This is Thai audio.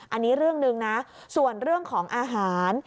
อันนี้เรื่องหนึ่งนะส่วนเรื่องของอาหาร